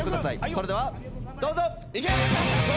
それではどうぞ。